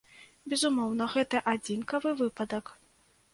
Безумоўна, гэта адзінкавы выпадак.